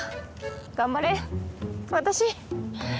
頑張れ私。